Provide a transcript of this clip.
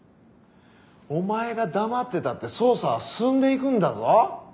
お前が黙ってたって捜査は進んでいくんだぞ。